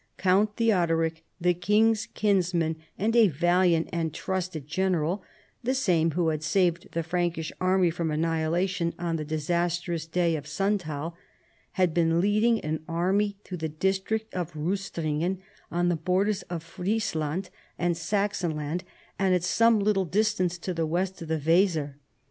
Count Theodoric, the king's kinsman and a valiant and trusted general (the same who had saved the Frankish army from annihilation on the disastrous day of Suutal), had been leading an army through the district of Rustringen, on the borders of Friesland and Saxon land, and at some little distance to the west of the Weser.